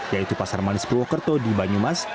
yaitu pasar manis purwokerto di banyumas